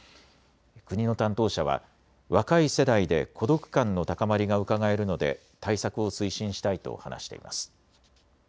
国の担当者は若い世代で孤独感の高まりがうかがえるので対策を推進したいと話しています。